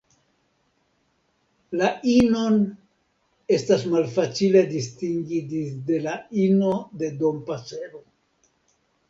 La inon estas malfacile distingi disde la ino de Dompasero.